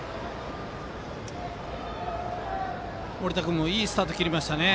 森田君もいいスタート切りましたね。